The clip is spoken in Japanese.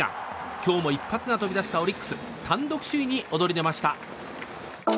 今日も一発が飛び出したオリックス単独首位に躍り出ました。